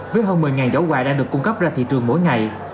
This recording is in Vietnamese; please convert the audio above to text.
với hơn một mươi giỏ quà đang được cung cấp ra thị trường mỗi ngày